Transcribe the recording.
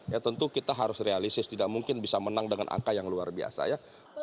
ya tentu kita harus realistis tidak mungkin bisa menang dengan angka yang luar biasa ya